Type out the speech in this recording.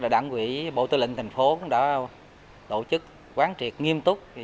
đảng quỹ bộ tư lịnh thành phố đã tổ chức quán triệt nghiêm túc